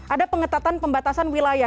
ada pengetatan pembatasan wilayah